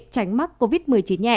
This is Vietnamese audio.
tránh mắc covid một mươi chín nhẹ